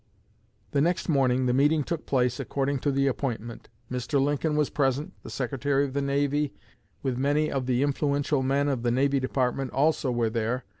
The next morning the meeting took place according to the appointment. Mr. Lincoln was present. The Secretary of the Navy, with many of the influential men of the Navy Department, also were there.